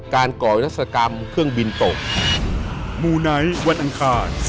การก่อรัศกรรมเครื่องบินตก